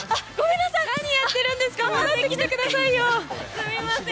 すみません。